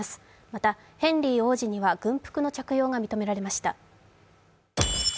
また、ヘンリー王子には軍服の着用が認められました。